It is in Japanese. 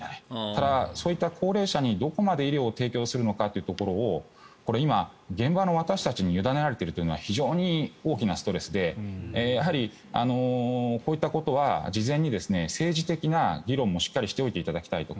ただ、そういった高齢者にどこまで医療を提供するのかというところをこれ今、現場の私たちに委ねられているというのは非常に大きなストレスでやはりこういったことは事前に政治的な議論もしっかりしておいていただきたいと。